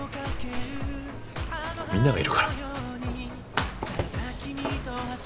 みんながいるから。